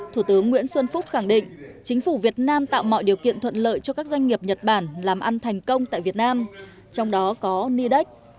thủ tướng nguyễn xuân phúc khẳng định chính phủ việt nam tạo mọi điều kiện thuận lợi cho các doanh nghiệp nhật bản làm ăn thành công tại việt nam trong đó có nidex